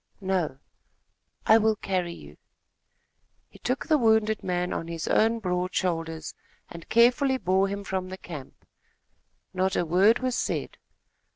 "No." "I will carry you." He took the wounded man on his own broad shoulders, and carefully bore him from the camp. Not a word was said.